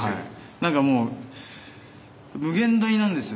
何かもう無限大なんですよ。